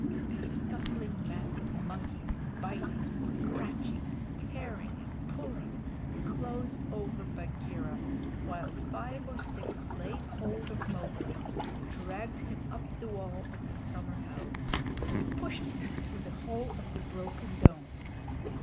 A scuffling mass of monkeys, biting, scratching, tearing, and pulling, closed over Bagheera, while five or six laid hold of Mowgli, dragged him up the wall of the summerhouse and pushed him through the hole of the broken dome.